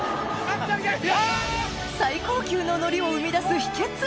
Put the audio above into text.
最高級の海苔を生み出す秘訣